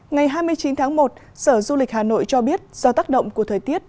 ngày hai mươi chín tháng một sở du lịch hà nội cho biết do tác động của thời tiết